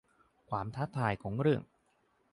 ความท้าทายของเรื่อง